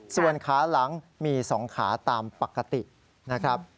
ส่วนขาหลังมี๒ขาตามปกตินะครับ